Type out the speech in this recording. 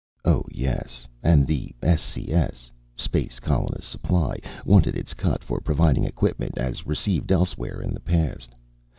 Oh, yes. And the S.C.S. Space Colonists' Supply wanted its cut for providing equipment, as received elsewhere in the past.